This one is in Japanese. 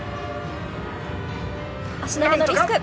足投げのリスク。